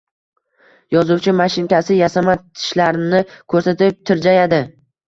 Yozuvchi mashinkasi yasama tishlarini ko’rsatib tirjayadi…